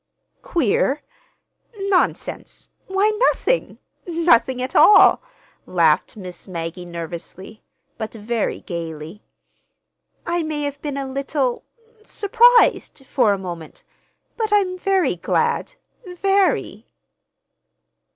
"Queer? Nonsense! Why, nothing—nothing at all," laughed Miss Maggie nervously, but very gayly. "I may have been a little—surprised, for a moment; but I'm very glad—very."